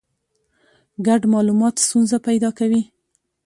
ګډ مالومات ستونزه پیدا کوي.